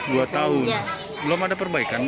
dua tahun belum ada perbaikan